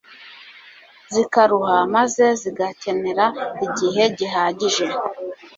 zikaruha, maze zigakenera igihe gihagije